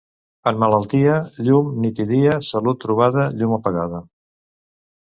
En malaltia, llum nit i dia; salut trobada, llum apagada.